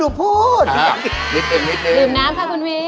อืมขาวนี่